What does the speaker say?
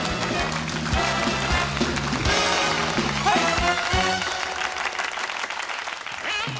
はい！